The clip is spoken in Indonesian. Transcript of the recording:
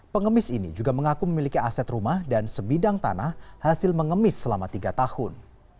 pengemis ini juga mengaku memiliki aset rumah dan sebidang tanah hasil mengemis selama tiga tahun